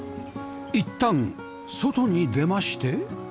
いったん外に出まして